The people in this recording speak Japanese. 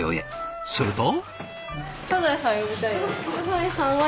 すると。